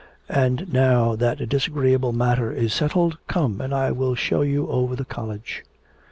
And now that disagreeable matter is settled, come and I will show you over the college.'